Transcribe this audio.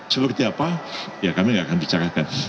seperti apa ya kami nggak akan bicarakan